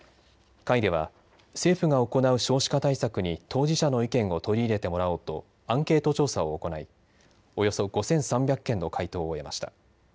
会では政府が行う少子化対策に当事者の意見を取り入れてもらおうとアンケート調査を行いおよそ５３００件の回答を得ました。